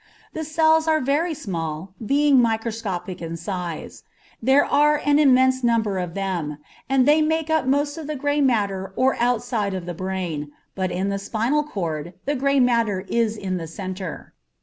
The cells are very small, being microscopic in size; there are an immense number of them, and they make up most of the gray matter or outside of the brain, but in the spinal cord the gray matter is in the centre.